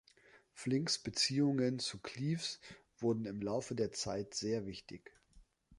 Flincks Beziehungen zu Cleves wurden im Laufe der Zeit sehr wichtig.